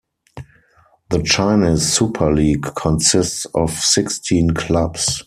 The Chinese Super League consists of sixteen clubs.